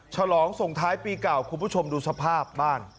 ฉลองส่งท้ายปีเก่าคุณผู้ชมดูสภาพบ้าน